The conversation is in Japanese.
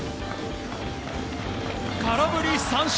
空振り三振。